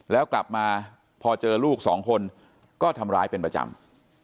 แล้วกลับมาพอเจอลูกสองคนก็ทำร้ายเป็นประจำ